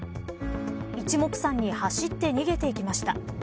一目散に走って逃げていきました。